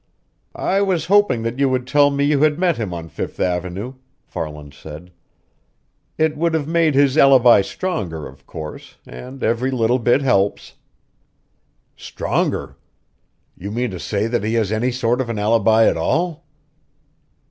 "I was hoping that you would tell me you had met him on Fifth Avenue," Farland said. "It would have made his alibi stronger, of course, and every little bit helps." "Stronger? You mean to say that he has any sort of an alibi at all?"